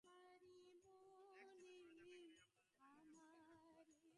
Next চেপে পরের ধাপে গেলে নিরাপত্তার জন্য চাইলে পাসওয়ার্ড দিয়ে রাখতে পারেন।